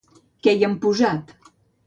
Què hi han posat?